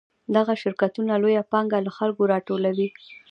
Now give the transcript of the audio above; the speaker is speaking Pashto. دغه شرکتونه لویه پانګه له خلکو راټولوي